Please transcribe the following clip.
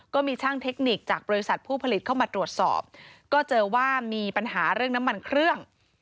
ก็มีช่างเทคนิคจากบริษัทผู้ผลิตเข้ามาตรวจสอบก็เจอว่ามีปัญหาเรื่องน้ำมันเครื่อง